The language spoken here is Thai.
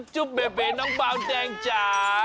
จุ๊บเบเบน้องบาวแดงจ๋า